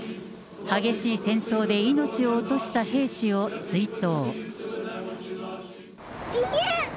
激しい戦闘で命を落とした兵士を追悼。